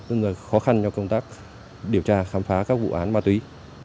tức là khó khăn cho công tác điều tra khám phá các vụ án ma túy